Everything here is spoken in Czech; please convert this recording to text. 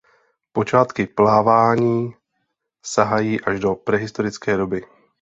Počátky plavání sahají až do prehistorické doby.